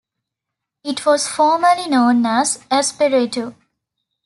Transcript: It was formerly known as Espiritu.